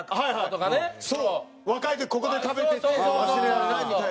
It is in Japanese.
若い時ここで食べてて忘れられないみたいな。